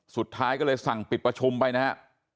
สุดท้ายก็เลยสั่งปิดประชุมไปนะฮะ